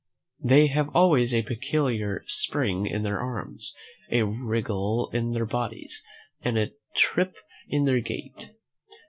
They have always a peculiar spring in their arms, a wriggle in their bodies, and a trip in their gait.